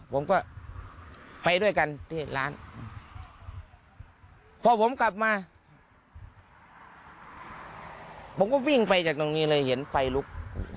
ผมก็ไปด้วยกันที่ร้านพอผมกลับมาผมก็วิ่งไปจากตรงนี้เลยเห็นไฟลุก